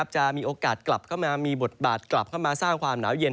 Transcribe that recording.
จะมีโอกาสกลับเข้ามามีบทบาทกลับเข้ามาสร้างความหนาวเย็น